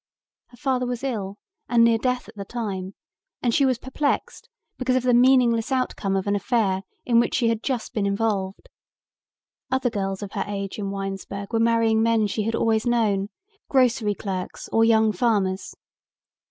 Her father was ill and near death at the time and she was perplexed because of the meaningless outcome of an affair in which she had just been involved. Other girls of her age in Winesburg were marrying men she had always known, grocery clerks or young farmers.